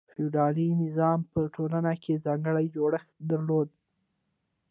فیوډالي نظام په ټولنه کې ځانګړی جوړښت درلود.